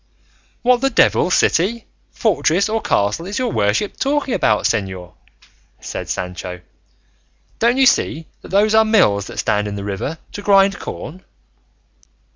"What the devil city, fortress, or castle is your worship talking about, señor?" said Sancho; "don't you see that those are mills that stand in the river to grind corn?"